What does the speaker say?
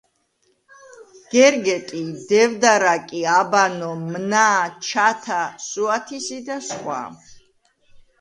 გერგეტი, დევდარაკი, აბანო, მნა, ჩათა, სუათისი და სხვა.